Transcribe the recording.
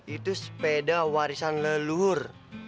itu sepeda warisan leluhur